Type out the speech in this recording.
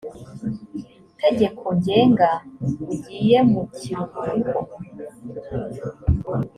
tegeko ngenga ugiye mu kiruhuko